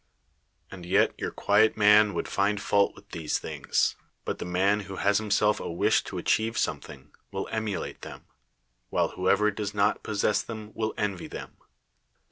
And yet your quiet man would find fault with these things; but the 32 PERICLES man who has himself a wish to achieve some thing, will emulate them ; while whoever does not possess them will envy them.